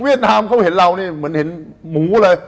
นามเขาเห็นเรานี่เหมือนเห็นหมูเลย